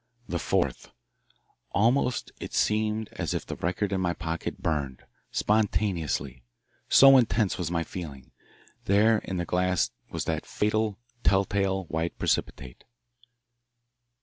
The fourth Almost it seemed as if the record in my pocket burned spontaneously so intense was my feeling. There in the glass was that fatal, telltale white precipitate.